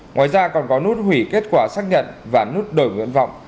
ngoài ra còn có nút hủy kết quả xác nhận và nút đổi nguyện vọng